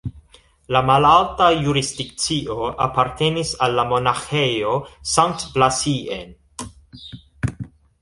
La malalta jurisdikcio apartenis al la Monaĥejo Sankt-Blasien.